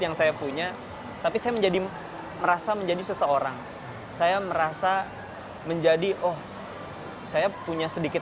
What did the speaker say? yang saya punya tapi saya menjadi merasa menjadi seseorang saya merasa menjadi oh saya punya sedikit